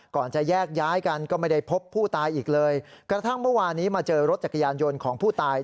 ก่อนจะแยกย้ายกันก็ไม่ได้พบผู้ตายอีกเลยกระทั่งเมื่อวานี้มาเจอรถจักรยานยนต์ของผู้ตาย